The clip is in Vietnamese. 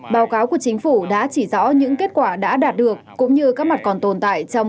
báo cáo của chính phủ đã chỉ rõ những kết quả đã đạt được cũng như các mặt còn tồn tại trong